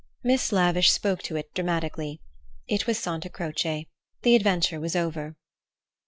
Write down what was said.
Miss Lavish spoke to it dramatically. It was Santa Croce. The adventure was over.